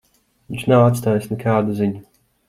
Viņš nav atstājis nekādu ziņu.